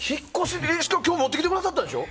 今日持ってきてくださったでしょ？